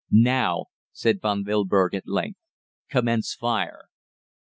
'Now,' said Von Wilberg at length, 'commence fire.'